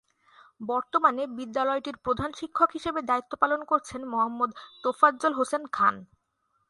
বর্তমানে বিদ্যালয়টির প্রধান শিক্ষক হিসেবে দায়িত্ব পালন করছেন মোহাম্মদ তোফাজ্জল হোসেন খান।